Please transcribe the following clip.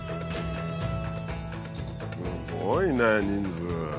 すごいね人数。